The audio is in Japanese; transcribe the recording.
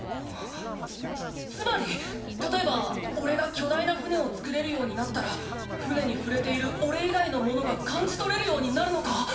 つつつまり例えばおれが巨大な船を作れるようになったら船に触れているおれ以外の物が感じ取れるようになるのか⁉